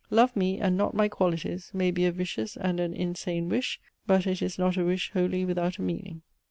Love me, and not my qualities, may be a vicious and an insane wish, but it is not a wish wholly without a meaning.